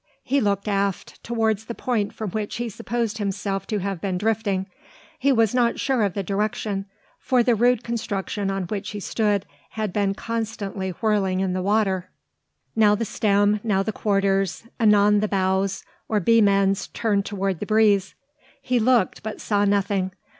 He looked aft, towards the point from which he supposed himself to have been drifting. He was not sure of the direction; for the rude construction on which he stood had kept constantly whirling in the water, now the stem, now the quarters, anon the bows, or beam ends turned towards the breeze. He looked, but saw nothing.